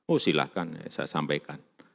oh silahkan saya sampaikan